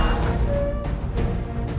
kalau karin gak mau gimana pak